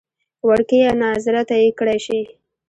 وړکیه ناظره ته یې کړی شې.